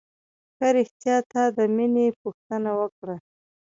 ښه رښتيا تا د مينې پوښتنه وکړه.